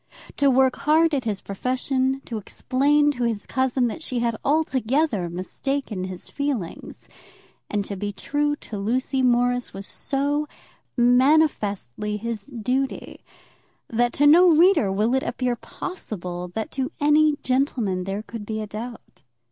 To work hard at his profession; to explain to his cousin that she had altogether mistaken his feelings; and to be true to Lucy Morris was so manifestly his duty, that to no reader will it appear possible that to any gentleman there could be a doubt.